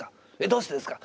どうしてですか？